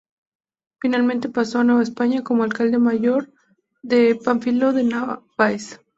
Finalmente pasó a Nueva España como alcalde mayor de Pánfilo de Narváez.